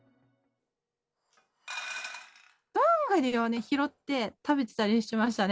ドングリを拾って食べてたりしましたね。